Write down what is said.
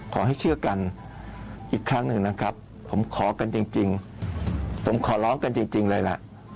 ขอให้เชื่อกันอีกครั้งหนึ่งนะครับผมขอกันจริงผมขอร้องกันจริงเลยล่ะ